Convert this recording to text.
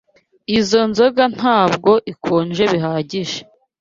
Izoi nzoga ntabwo ikonje bihagije.